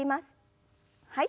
はい。